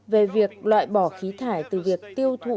về việc loại bỏ khí thải từ việc tiêu thụ